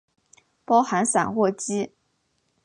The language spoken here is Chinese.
包含散货机。